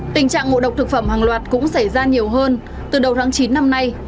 tình trạng ngộ độc thực phẩm hàng loạt cũng xảy ra nhiều hơn từ đầu tháng chín năm nay